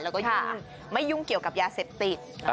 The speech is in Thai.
แล้วก็ยิ่งไม่ยุ่งเกี่ยวกับยาเสพติด